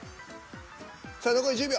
さあ残り１０秒。